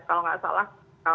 kalau nggak salah